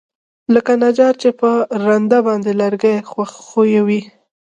لکه نجار چې په رنده باندى لرګى ښويوي.